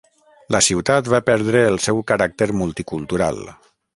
La ciutat va perdre el seu caràcter multicultural.